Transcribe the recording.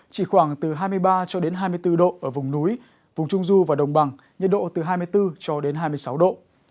chỉ khoảng từ hai mươi ba cho đến hai mươi bốn độ ở vùng núi vùng trung du và đồng bằng nhiệt độ từ hai mươi bốn cho đến hai mươi sáu độ